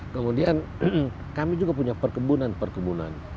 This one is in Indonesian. kemudian kami juga punya perkebunan perkebunan